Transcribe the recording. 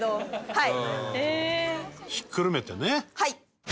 はい。